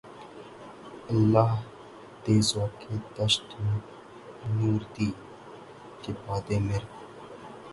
اللہ رے ذوقِ دشت نوردی! کہ بعدِ مرگ